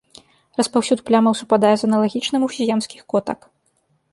Распаўсюд плямаў супадае з аналагічным у сіямскіх котак.